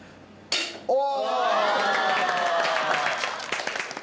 お！